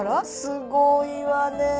すごいわね。